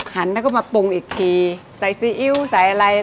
ขันแล้วพร้อมอีกทีใส่ซีอิ๊วใส่อะไร